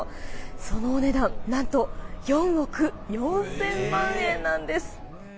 そのお値段何と４億４０００万円なんです。